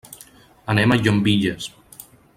Anem a Llambilles.